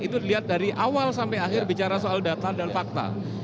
itu dilihat dari awal sampai akhir bicara soal data dan fakta